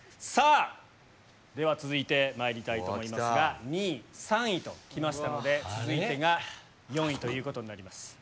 さぁでは続いてまいりたいと思いますが２位３位と来ましたので続いてが４位ということになります。